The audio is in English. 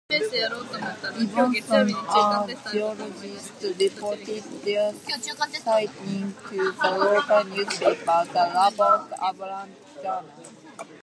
Robinson, a geologist - reported their sighting to the local newspaper, the "Lubbock Avalanche-Journal".